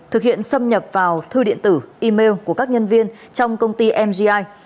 thực hiện xâm nhập vào thư điện tử email của các nhân viên trong công ty mgi